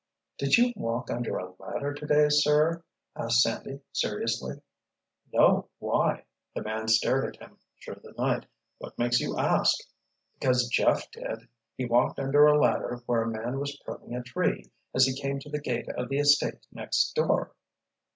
—" "Did you walk under a ladder, today, sir?" asked Sandy seriously. "No. Why?" The man stared at him through the night. "What makes you ask?" "Because Jeff did—he walked under a ladder where a man was pruning a tree as he came to the gate of the estate next door."